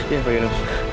iya pak yunus